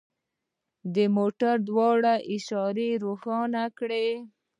د موټر دواړه اشارې روښانه کړئ